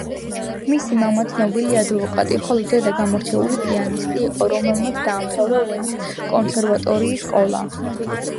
მისი მამა ცნობილი ადვოკატი, ხოლო დედა გამორჩეული პიანისტი იყო, რომელმაც დაამთავრა ვენის კონსერვატორიის სკოლა.